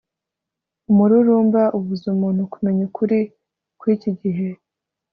umururumba ubuza umuntu kumenya ukuri kw'iki gihe